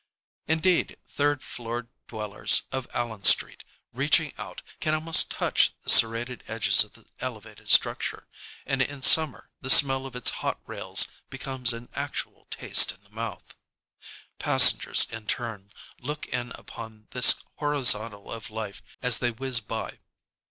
Indeed, third floor dwellers of Allen Street, reaching out, can almost touch the serrated edges of the Elevated structure, and in summer the smell of its hot rails becomes an actual taste in the mouth. Passengers, in turn, look in upon this horizontal of life as they whiz by.